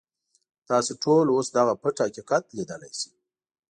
تاسې ټول اوس دغه پټ حقیقت ليدلی شئ.